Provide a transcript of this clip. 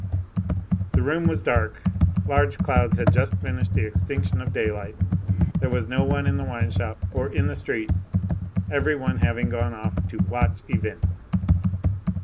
The room was dark, large clouds had just finished the extinction of daylight. There was no one in the wine shop, or in the street, every one having gone off "to watch events."